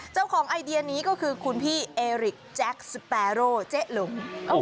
เจ้าของไอเดียนี้ก็คือคุณพี่เอริกเจ๊ะลุง